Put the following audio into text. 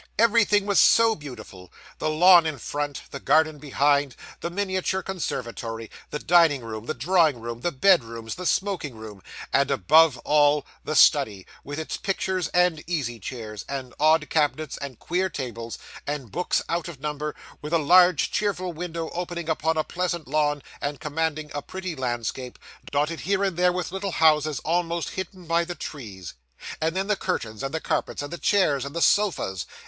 Everything was so beautiful! The lawn in front, the garden behind, the miniature conservatory, the dining room, the drawing room, the bedrooms, the smoking room, and, above all, the study, with its pictures and easy chairs, and odd cabinets, and queer tables, and books out of number, with a large cheerful window opening upon a pleasant lawn and commanding a pretty landscape, dotted here and there with little houses almost hidden by the trees; and then the curtains, and the carpets, and the chairs, and the sofas!